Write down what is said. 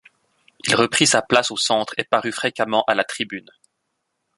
Il reprit sa place au centre, et parut fréquemment à la tribune.